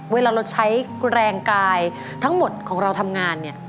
เวลาเราใช้แรงกายทั้งหมดของเราทำงานเนี่ย